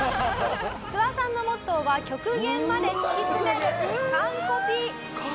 ツワさんのモットーは極限まで突き詰める完コピ。